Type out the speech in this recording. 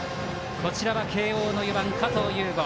こちらは慶応の４番、加藤右悟。